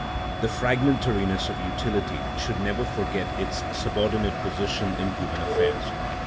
The fragmentariness of utility should never forget its subordinate position in human affairs.